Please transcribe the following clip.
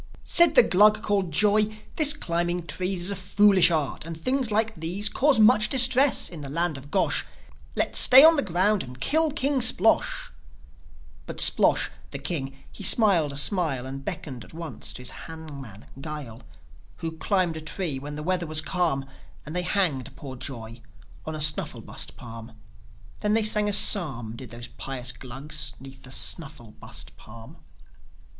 Said the Glug called Joi, "This climbing trees Is a foolish art, and things like these Cause much distress in the land of Gosh. Let's stay on the ground and kill King Splosh!" But Splosh, the king, he smiled a smile, And beckoned once to his hangman, Guile, Who climbed a tree when the weather was calm; And they hanged poor Joi on a Snufflebust Palm; Then they sang a psalm, Did those pious Glugs 'neath the Snufflebust Palm.